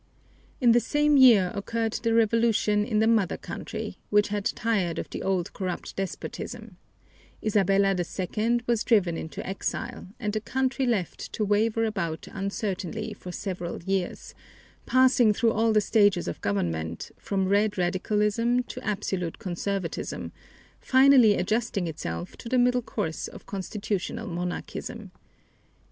In the same year occurred the revolution in the mother country, which had tired of the old corrupt despotism. Isabella II was driven into exile and the country left to waver about uncertainly for several years, passing through all the stages of government from red radicalism to absolute conservatism, finally adjusting itself to the middle course of constitutional monarchism.